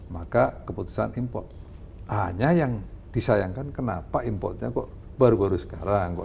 maka keputusan impor hanya yang disayangkan kenapa importnya kok baru baru sekarang kok